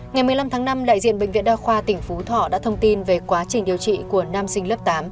ngày một mươi năm tháng năm đại diện bệnh viện đa khoa tỉnh phú thọ đã thông tin về quá trình điều trị của nam sinh lớp tám